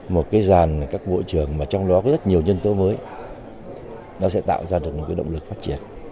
một cái dàn các bộ trưởng mà trong đó có rất nhiều nhân tố mới nó sẽ tạo ra được một cái động lực phát triển